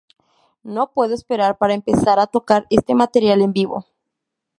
No puedo esperar para empezar a tocar este material en vivo.